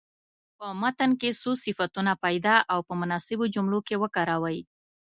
په متن کې څو صفتونه پیدا او په مناسبو جملو کې وکاروئ.